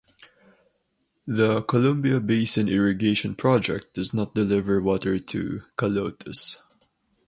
The Columbia Basin Irrigation Project does not deliver water to Kahlotus.